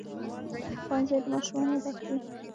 ښوونځي د ماشومانو ډک وي.